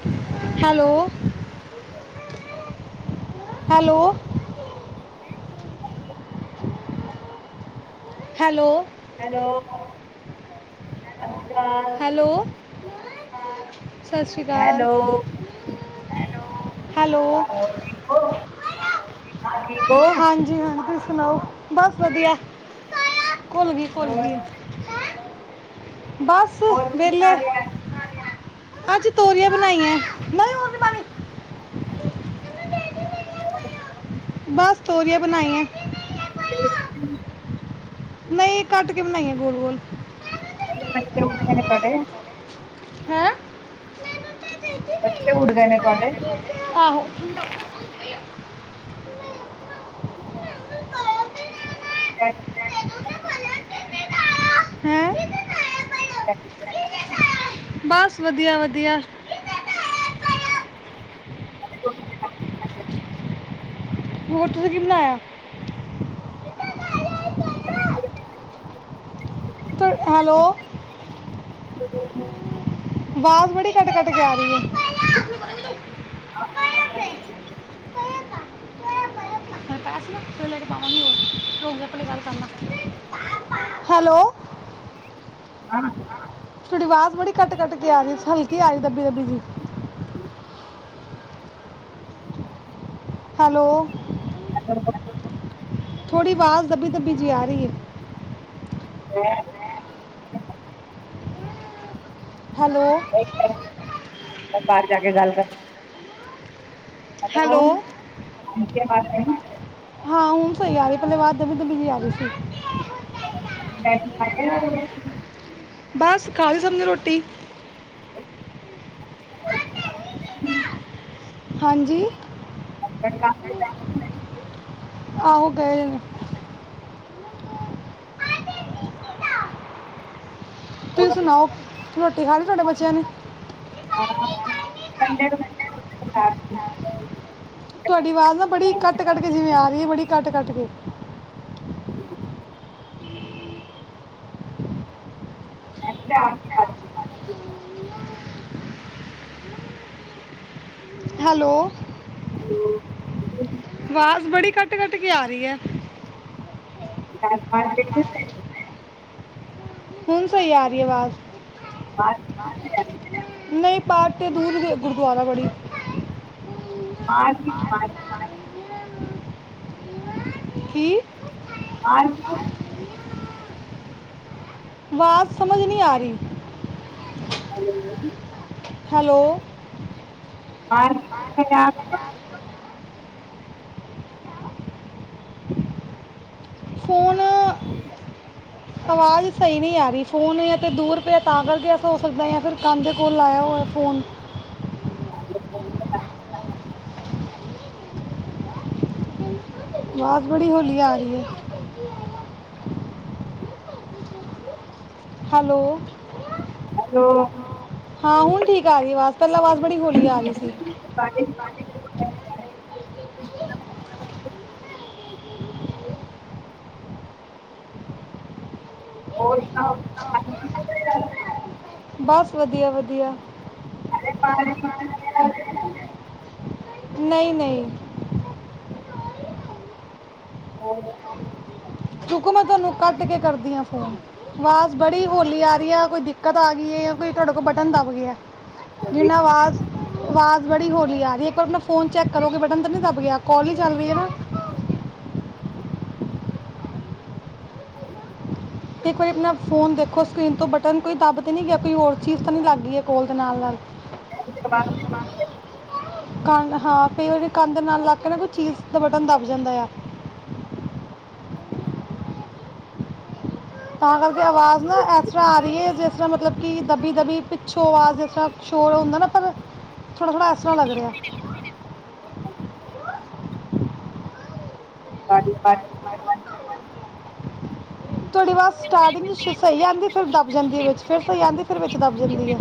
[unintelligible] Hello. Hello. Hello. Hello. [unintelligible] Hello. ਹਾਂ। ਸਤਿ ਸ਼੍ਰੀ ਅਕਾਲ, ਹੈਲੋ ਹੈਲੋ। ਠੀਕ ਹੋ ਹਾਂ ਠੀਕ ਹੋ ਹਾਂਜੀ ਹਾਂਜੀ, ਤੁਸੀਂ ਸੁਣਾਓ। ਬਸ ਵਧੀਆ। ਘੁੱਲ ਗੀ ਘੁੱਲ ਹੋਰ ਗੀ। ਬੱ ਹੋਰ ਕੀ ਹਾਲ ਆ? ਅੱਜ ਤੋਰੀਆਂ ਬਣਾਈਆਂ। ਨਹੀਂ, ਹੋਰ ਨੀ ਪਾਣੀ। [unintelligible] ਬਸ ਤੋਰੀਆ ਬਣਾਈ ਐ। [unintelligible] ਨਈ, ਕੱਟ ਕੇ ਬਣਾਈਆਂ ਗੋਲ ਗੋਲ‌। ਤੇ ਬੱਚੇ ਉਠੇ ਗਏ ਨੇ ਤੁਹਾਡੇ? ਹੈਂ? ਬੱਚੇ ਉੱਠ ਗਏ ਨੇ ਤੁਹਾਡੇ? ਆਹੋ। ਐ। ਹੈਂ? [unintelligible] ਬਸ ਵਧੀਆ ਵਧੀਆ। ਉਹਨੂੰ [unintelligible] ਹੋਰ ਤੁਸੀਂ ਕੀ ਬਣਾਇਆ? ਤ ਹੈਲੋ। [unintelligible] ਆਵਾਜ਼ ਬੜੀ ਕੱਟ ਕੱਟ ਕੇ ਆ ਰਹੀ ਐ। [unintelligible] [unintelligible] ਲੈ ਕੇ ਜਾਵਾ ਗੀ ਰੁਕ ਜਾ ਪਹਿਲਾ ਗੱਲ ਕਰਲਾਂ। ਹੈਲੋ? ਤੁਹਾਡੀ ਆਵਾਜ਼ ਬੜੀ ਕੱਟ ਕੱਟ ਕੇ ਆ ਰਹੀ, ਹਲਕੀ ਆ ਰਹੀ, ਦੱਬੀ ਦੱਬੀ ਜੀ। ਹੈਲੋ [inaudible] ਥੋੜ੍ਹੀ ਆਵਾਜ਼ ਦੱਬੀ ਦੱਬੀ ਜੀ ਆ ਰਹੀ ਹੈ ਹੈਂ ਹੈਲੋ ਬਾਹਰ ਜਾ ਕੇ ਗੱਲ ਅ ਮ ਹੈਲੋ ਹਾਂਜੀ ਮਾਤਾ ਹਾਂ ਹੁਨ ਸਹੀ ਆ ਰਹੀ ਅਵਾਜ ਦੱਬੀ ਦੱਬੀ ਜੀ ਆ ਰਹੀ ਸੀ ਮੰਮੀ ਡੈਡੀ ਖਾ ਗਏ ਨਾ ਰੋਟੀ ਬਸ ਖਾਲੀ ਸਭ ਨੇ ਰੋਟੀ ਅਵਾਜ ਆ ਰਹੀ ਹਾਂਜੀ ਹਸਬੈਂਡ ਕੰਮ ਤੇ ਚਲ ਗਏ ਜੀ ਆਹੋ ਗਏ ਨੇ ਤੁਸੀ ਨੇ ਸੁਣਾਓ ਰੋਟੀ ਖਾਲੀ ਤੁਹਾਡੇ ਬੱਚਿਆਂ ਨੇ ਡੈ ਤੁਹਾਡੀ ਆਵਾਜ਼ ਨਾ ਬੜੀ ਕੱਟ ਕੱਟ ਕੇ ਜਿਵੇਂ ਆ ਰਹੀ ਹੈ ਬੜੀ ਕੱਟ ਕੱਟ ਕੇ ਹ ਅਨੰਦਾ ਆ ਹੁ ਹੈਲੋ ਆਵਾਜ਼ ਬੜੀ ਕੱਟ ਕੱਟ ਕੇ ਆ ਰਹੀ ਹੈ ਜਾਤ ਪਾਤ ਦੇਖੀ ਤੈ ਹੁਣ ਸਹੀ ਆ ਰਹੀ ਆਵਾਜ਼ [inaudible] ਨਹੀਂ ਪਾਰਕ ਦੇ ਦੂਰ ਗੁਰਦਵਾਰਾ ਬੜੀ ਕੀ ਹਾਂਜੀ ਆਵਾਜ਼ ਸਮਝ ਨਹੀਂ ਆ ਰਹੀ [inaudible] ਹੈਲੋ ਬਾਹਰ ਕਿੱਥੇ ਜਾਣਾ ਪੁੱਤ ਫੋਨ ਹਾਂਜੀ ਆਵਾਜ਼ ਸਹੀ ਨਹੀਂ ਆ ਰਹੀ, ਫੋਨ ਤਾਂ ਦੂਰ ਪਿਆ ਆ ਤਾਂ ਕਰਕੇ ਐਸਾ ਹੋ ਸਕਦੇ, ਜਾਂ ਫਿਰ ਕੰਨ ਕੋਲ ਲਾਇਆ ਹੋਆ ਫੋਨ [inaudible] ਅਵਾਜ ਬੜੀ ਹੋੌਲੀ ਆ ਰਹੀ ਏ ਹੈਲੋ ਹੈਲੋ ਹਾਂ ਹੁਣ ਠੀਕ ਆ ਰਹੀ ਅਵਾਜ ਪਹਿਲਾ ਆਵਾਜ਼ ਬੜੀ ਹੌਲੀ ਆ ਰਹੀ ਸੀ ਬਸ ਵਧੀਆ- ਵਧੀਆ [inaudible] ਨਹੀਂ -ਨਹੀਂ ਹੋਰ ਰੁਕੋ ਮੈਂ ਤੁਹਾਨੂੰ ਕੱਟ ਕੇ ਕਰਦੀ ਹਾਂ ਫੋਨ ਆਵਾਜ਼ ਬੜੀ ਹੌਲੀ ਆ ਰਹੀ ਆ, ਕੋਈ ਦਿੱਕਤ ਆ ਗਈ ਹੈ ਜਾਂ ਕੋਈ ਤੁਹਾਡੇ ਕੋਲ ਬਟਨ ਦੱਬ ਗਿਆ। ਜਿਨਾ ਅਵਾਜ਼, ਆਵਾਜ਼ ਬੜੀ ਹੌਲੀ ਆ ਰਹੀ ਇੱਕ ਵਾਰ ਆਪਣਾ ਫੋਨ ਚੈੱਕ ਕਰੋ ਕਿ ਬਟਨ ਤਾਂ ਨੀ ਦੱਬ ਗਿਆ, ਕਾਲ ਹੀ ਚੱਲ ਰਹੀ ਹੈ ਨਾ ਇੱਕ ਵਾਰੀ ਆਪਣਾ ਫੋਨ ਦੇਖੋ ਸਕਰੀਨ ਤੋਂ ਬਟਨ ਕੋਈ ਦੱਬ ਤੇ ਨਹੀਂ ਗਿਆ। ਕੋਈ ਹੋਰ ਚੀਜ਼ ਤਾਂ ਨਹੀ ਲੱਗ ਗਈ ਹੈ, ਕੋਲ ਦੇ ਨਾਲ -ਨਾਲ [inaudible] ਕੰਧ ਹਾਂ ਕਯੀ ਵਾਰ ਕੰਧ ਨਾਲ ਲੱਗ ਕੇ ਨਾ ਕੋਈ ਚੀਜ਼ ਦਾ ਬਟਨ ਦੱਬ ਜਾਂਦਾ ਆ ਤਾਂ ਕਰਕੇ ਆਵਾਜ਼ ਨਾ ਇਸ ਤਰ੍ਹਾਂ ਆ ਰਹੀ ਹੈ। ਜਿਸ ਤਰ੍ਹਾਂ ਮਤਲਬ ਕਿ ਦੱਬੀ -ਦੱਬੀ ਪਿੱਛੋਂ ਆਵਾਜ਼ ਜਿਸ ਤਰ੍ਹਾਂ ਸ਼ੋਰ ਹੁੰਦਾ ਨਾ ਪਰ ਥੋੜ੍ਹਾ- ਥੋੜ੍ਹਾ ਐਸ ਤਰਾ ਲੱਗ ਰਿਹਾ। [inaudible] ਤੁਹਾਡੀ ਅਵਾਜ ਸਟਾਰਟਿੰਗ ਵਿੱਚ ਸਹੀ ਆ ਜਾਂਦੀ, ਫਿਰ ਦੱਬ ਜਾਂਦੀ ਹੈ ਵਿੱਚ ਫਿਰ ਸਹੀ ਆਦੀ ਫਿਰ ਵਿੱਚ ਦੱਬ ਜਾਂਦੀ ਹੈ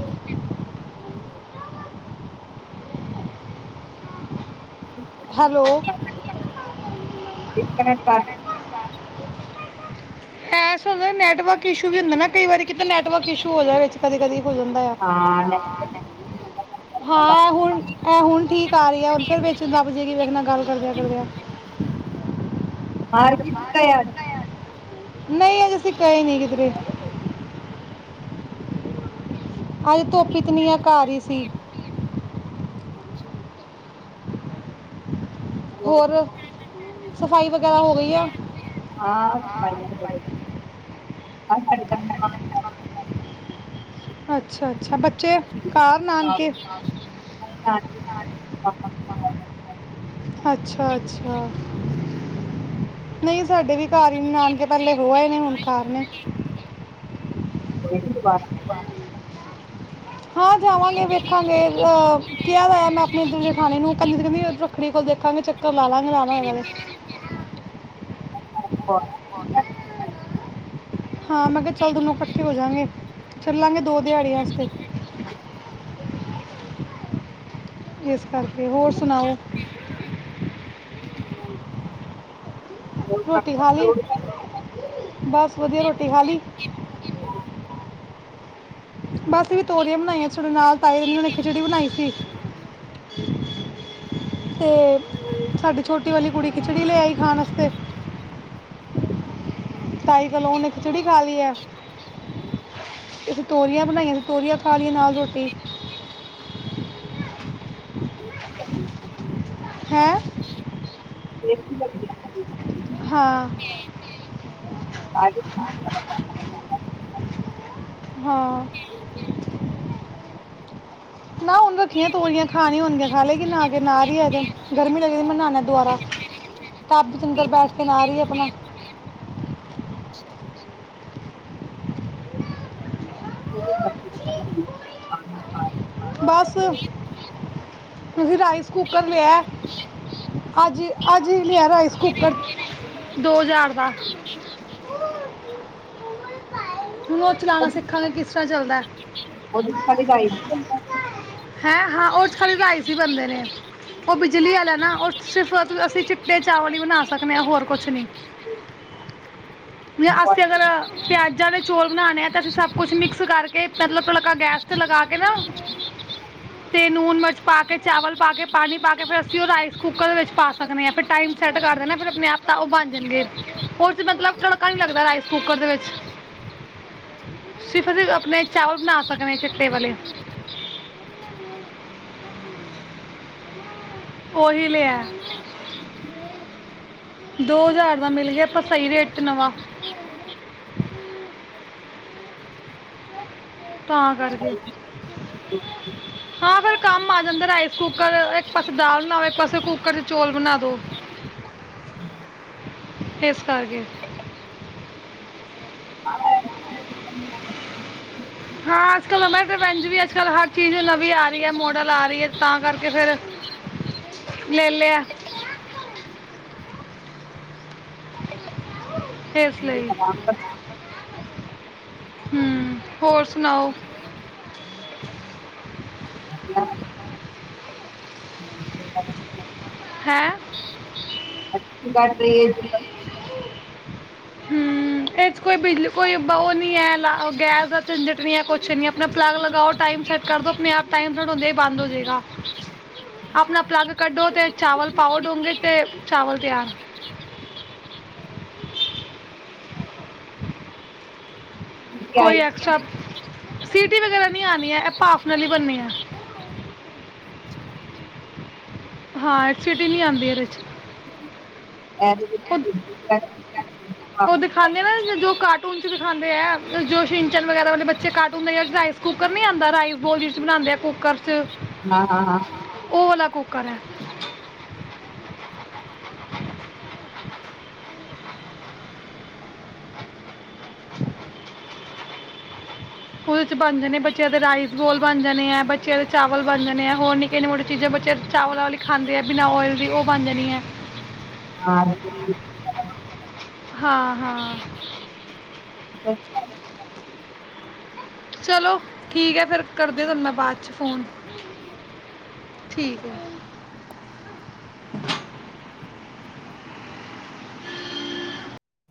ਹੈਲੋ [inaudible] ਹੈ ਨੈਟਵਰਕ ਇਸ਼ੂ ਵੀ ਹੁੰਦਾ ਨਾ ਕਈ ਵਾਰੀ ਕਿ ਨੈਟਵਰਕ ਇਸ਼ੂ ਹੋ ਜਾ ਕਦੇ -ਕਦੇ ਹੋ ਜਾਂਦਾ। ਹਾਂ ਹ ਹੁਣ ਠੀਕ ਆ ਰਹੀ, ਫੇਰ ਵਿੱਚ ਦੱਬਜਾਗੇ ਗੱਲ ਕਰਦਿਆਂ ਕਰਦੇ ਹਰ ਕਿ ਤਿਆਰ [inaudible] ਨਹੀਂ ਅਜੇ ਅਸੀ ਗਏ ਨਹੀਂ ਕਿਧਰੇ ਅੱਜ ਧੁੱਪ ਇਤਨੀ ਹੈ। ਘਰ ਹੀ ਸੀ ਹੋਰ ਸਫਾਈ ਵਗੈਰਾ ਹੋ ਗਈ ਆ? ਹਾਂ ਸਫਾਈਆਂ ਹੋ ਗਈਆਂ। ਅੱਜ ਸਾਡੇ ਘਰ ਮਹਿਮਾਨ ਆਏ ਹੋਏ ਅੱਛਾ ਅੱਛਾ ਬੱਚੇ ਸੀ। ਘਰ ਨਾਨਕੇ ਨਾਲ- ਨਾਲ ਨਾਲ ਦੇ ਮੇਰੇ ਮਾਮਾ ਕੋਲ ਆਇਆ। ਅੱਛਾ ਅੱਛਾ ਨਹੀਂ ਸਾਡੇ ਵੀ ਘਰ ਹੀ ਨਾਨਕੇ ਪਹਿਲੇ ਹੋ ਆਏ ਨੇ ਹੁਣ ਘਰ ਨੇ [inaudible] ਹਾਂ ਜਾਵਾਂਗੇ ਵੇਖਾਂਗੇ ਅ ਕਿਹਾ ਤੇ ਹੈ ਮੈਂ ਆਪਣੇ ਇਧਰ ਖਾਣੇ ਨੂੰ ਕੰਨੀ ਵੀ ਰੱਖੜੀ ਕੋਲ ਦੇਖਾਂਗੇ ਚੱਕਰ ਲਾ ਲਾਂਗੇ ਲਾ ਲਏ [inaudible] ਹਾਂ ਮੈਂ ਕਿਹਾ ਚੱਲ ਦੋਨੋਂ ਇਕੱਠੇ ਹੋ ਜਾਂਗੇ ਕਰ ਲਾਂਗੇ ਦੋ ਦਿਹਾੜੀ ਵਾਸਤੇ ਇਸ ਕਰਕੇ ਹੋਰ ਸੁਣਾਓ [inaudible] ਕੰਮ ਰੋਟੀ ਤਾਂ ਖਾ ਲੀ ਚੋਟੀਆਂ ਨਹੀਂ ਬਸ ਵਧੀਆ ਰੋਟੀ ਖਾ ਲੀ ਬੱਸ ਵੀ ਤੋਰੀਆਂ ਬਣਾਈਆਂ ਸਾਡੇ ਨਾਲ ਤਾਈ ਨੇ ਖਿਚੜੀ ਬਣਾਈ ਸੀ ਤੇ ਸਾਡੀ ਛੋਟੀ ਵਾਲੀ ਕੁੜੀ ਖਿਚੜੀ ਲੈ ਆਈ ਖਾਣ ਵਾਸਤੇ [inaudible] ਤਾਈ ਕੋਲੋਂ ਉਹਨੇ ਖਿਚੜੀ ਖਾ ਲਈ ਹੈ ਤੋਰੀਆਂ ਬਣਾਈਆਂ ਤੋਰੀਆਂ ਖ ਲਈਆਂ ਨਾਲ ਰੋਟੀ [inaudible] ਹੈਂ [inaudible] ਹਾਂ ਸਾਰੇ ਦਿਨ ਮੇਰਾ ਕੰਮ ਹਾਂ ਨਾ ਹੁਣ ਰੱਖੀਆਂ ਤੋਰੀਆਂ ਖਾਣੀਆਂ ਹੋਣਗੀਆਂ ਖਾਲ ਕਿ ਨਾਹ ਕੇ ਨਾਲ ਹੀ ਇਹਦੇ ਗਰਮੀ ਲੱਗੀਦੀ ਮੈਂ ਨਹਾਣਾ ਦੁਆਰਾ ਟੱਬ ਦੇ ਚ ਅੰਦਰ ਬੈਠ ਕੇ ਨਾਹ ਰਹੀ ਹੈ ਆਪਣਾ [inaudible] ਹੋਰ ਬੱਕਰੀ ਦੀ ਲੱਗਦੀ ਹੈ। ਪਾਣੀ- ਪਾਣੀ। ਬਸ ਤੁਸੀਂ ਰਾਈਸ ਕੁੱਕਰ ਲਿਆ ਅੱਜ ਅੱਜ ਹੀ ਲਿਆ ਰਾਈਸ ਕੁੱਕਰ ਦੋ ਹਜ਼ਾਰ ਦਾ [inaudible] ਹੁਣ ਉਹ ਚਲਾਣਾ ਉਹਦੇ- ਸਿੱਖਣ ਲਈ ਕਿਸ ਤਰ੍ਹਾਂ ਚੱਲਦਾ ਉਹਦੇ ਚ ਖਾਲੀ ਗਾਈ ਦੀ ਲੱਗਦੀ ਹੈ। ਹੈਂ ਹਾਂ ਉਹ ਖਾਲੀ ਰਾਈਸ ਹੀ ਬਣਦੇ ਨੇ ਉਹ ਬਿਜਲੀ ਵਾਲਾ ਨਾ ਉਹ ਸਿਰਫ ਅਸੀਂ ਚਿੱਟੇ ਚਾਵਲ ਹੀ ਬਣਾ ਸਕਦੇ ਹਾਂ ਹੋਰ ਕੁਛ ਨਹੀਂ ਅਸਂ ਅਗਰ ਪਿਆਜ਼ਾਂ ਦੇ ਚੋਲ ਬਣਾਉਣੇ ਆ ਤੇ ਅਸੀਂ ਸਭ ਕੁਛ ਮਿਕਸ ਕਰਕੇ ਕਿ ਮਤਲਬਲਕਾ ਗੈਸ 'ਤੇ ਲਗਾ ਕੇ ਨਾ ਅਤੇ ਨੂਣ ਮਿਰਚ ਪਾ ਕੇ ਚਾਵਲ ਪਾ ਕੇ ਪਾਣੀ ਪਾ ਕੇ ਫਿਰ ਅਸੀਂ ਉਹ ਰਾਈਸ ਕੁੱਕਰ ਦੇ ਵਿੱਚ ਪਾ ਸਕਦੇ ਹਾਂ ਫਿਰ ਟਾਈਮ ਸੈੱਟ ਕਰਦੇ ਨਾ ਫਿਰ ਆਪਣੇ ਆਪ ਤਾਂ ਉਹ ਬਣ ਜਾਣਗੇ ਉਹ ਮਤਲਬ ਤੜਕਾ ਨੀ ਲੱਗਦਾ ਰਾਈਸ ਕੁੱਕਰ ਦੇ ਵਿੱਚ ਸਫ ਅਸੀ ਆਪਣੇ ਚਾਵਲ ਬਣਾ ਸਕਦੇ ਚਿੱਟੇ ਵਾਲੇ ਉਹੀ ਲਿਆ ਦੋ ਹਜ਼ਾਰ ਦਾ ਮਿਲ ਗਿਆ ਆਪਾਂ ਸਹੀ ਰੇਟ ਤੇ ਨਵਾਂ ਤਾਂ ਕਰਕੇ ਹਾਂ ਫੇਿਰ ਕੰਮ ਆ ਜਾਂਦਾ ਰਾਈਸ ਕੁੂਕਰ ਇੱਕ ਪਾਸੇ ਦਾਲ ਬਣਾਵ ਇੱਕ ਪਾਸੇ ਕੁੱਕਰ ਚ ਚੋਲ ਬਣਾ ਦੋ ਇਸ ਕਰਕੇ ਘੱਟ ਹਾਂ ਅੱਜ ਕਲਵੰਜ ਵੀ ਅੱਜ ਕੱਲ ਹਰ ਚੀਜ਼ ਨਵੀਂ ਆ ਰਹੀ ਹੈ ਮੋਡਲ ਆ ਰਹੀ ਹੈ ਤਾਂ ਕਰਕੇ ਫਿਰ ਲੈ ਲਿਆ [unintelligible] ਇਸ ਇਸ ਲਈ ਹ ਹੋਰ ਸੁਣਾਓ ਹੈਂ [unintelligible] ਹੂੰ ਇਹ 'ਚ ਕੋਈ ਬਿਜਲੀ ਕੋਈ ਉਹ ਨਹੀਂ ਹੈ ਲਾ ਗੈਸ ਦਾ ਝੰਜਟ ਨਹੀਂ ਹੈ ਕੁਛ ਨਹੀਂ ਆਪਣਾ ਪਲੱਗ ਲਗਾਓ ਟਾਈਮ ਸੈੱਟ ਕਰ ਦਿਉ ਆਪਣੇ ਆਪ ਟਾਈਮ ਥਡਾਉਂਦੇ ਹੀ ਬੰਦ ਹੋ ਜਾਵੇਗਾ ਆਪਣਾ ਪਲੱਗ ਕੱਢੋ ਅਤੇ ਚਾਵਲ ਪਾਓ ਡੂੰਗੇ ਅਤੇ ਚਾਵਲ ਤਿਆਰ। ਆਈ ਕੋਈ ਐਕਸਟਰਾ ਇਹਦੇ ਸਿਟੀ ਵਗੈਰਾ ਨਹੀਂ ਆਣੀ ਹੈ ਇਹ ਭਾਫ ਨਾਲੀ ਬਣਨੀ ਹੈ। ਹਾਂ ਐ ਸੀਟੀ ਨਹੀਂ ਆਦੀ ਇਹਦੇ 'ਚ [unintelligible] ਉਹ ਦਿਖਾਂਦੇ ਹਾਂ ਨਾ ਜੋ ਘੱਟ ਕਾਰਟੂਨ ਚ ਵੀਖ ਖਾਂਦੇ ਹੈ ਜੋ ਵਗੈਰਾ ਬੱਚੇ ਕਾਰਟੂਨ ਰਾਈਸ ਕੁੂਰ ਨੀ ਆਦਾ ਰਾਈਸ ਬੋਲ ਚ ਬਣਾਦੇ ਹੈ ਕੁੂੱਕਰ ਚ ਹਾਂ ਹਾਂ ਹਾਂ ਓਲਾ ਕੁਕਰ ਹੈ। ਉਹਦੇ 'ਚ ਬਣ ਜਾਣੇ ਬੱਚਿਆਂ ਦੇ ਰਾਈਸ ਗੋਲ ਬਣ ਜਾਣੇ ਹੈ ਬੱਚਿਆਂ ਦੇ ਚਾਵਲ ਬਣ ਜਾਣੇ ਆ ਹੋਰ ਨਿੱਕੇ ਨੰਨੀਆਂ ਮੋਟੀਆਂ ਚੀਜ਼ਾਂ ਬੱਚੇ ਚਾਵਲ ਵਾਲਲੀ ਖਾਂਦੇ ਆ ਬਿਨਾਂ ਓਇਲ ਵੀ ਉਹ ਬਣ ਜਾਣੀ ਹੈ। ਹਾਂ ਹਾਂ ਹਾਂ ਹਾਂ ਚਲੋ ਠੀਕ ਹੈ ਫੇਰ ਕਰਦੇ ਤਹਾਨੂੰ ਮੈਂ ਬਾਅਦ ਚ ਫੋਨ ਠੀਕ ਹੈ। [inaudible]